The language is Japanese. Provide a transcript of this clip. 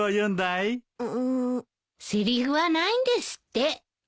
せりふはないんですって。